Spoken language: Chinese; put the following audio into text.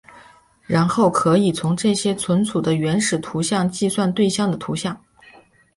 然后可以从这些存储的原始图像计算对象的图像。